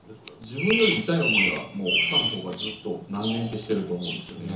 自分より痛い思いはもう奥さんの方がずっと何年ってしてると思うんですよね。